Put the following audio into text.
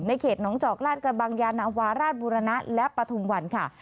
เขตน้องจอกลาดกระบังยานาวาราชบุรณะและปฐุมวันค่ะ